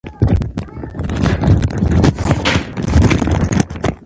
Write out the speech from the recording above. بزګر د خاورې ژبه پېژني